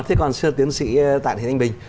thì còn xưa tiến sĩ tạng thị thanh bình